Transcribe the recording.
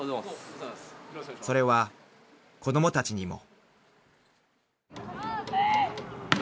［それは子供たちにも］